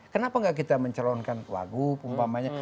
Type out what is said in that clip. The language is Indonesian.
kenapa nggak kita mencalonkan wagub umpamanya